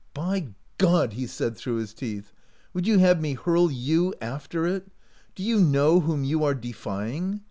"By God!" he said through his teeth, " would you have me hurl you after it? Do you know whom you are defying?